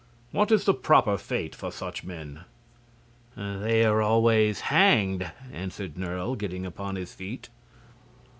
What is the proper fate for such men?" "They are always hanged," answered Nerle, getting upon his feet.